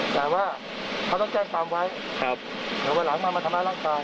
แต่ว่าเขาต้องแจ้งความไว้ครับเดี๋ยววันหลังมามาทำร้ายร่างกาย